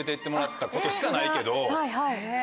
ことしかないけど。